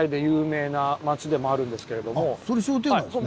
あっそれ商店街ですね。